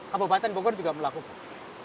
kabupaten bogor juga melakukan